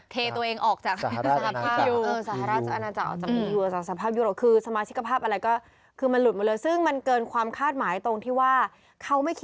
เทตัวเองออกจากสหราชอาณาจักร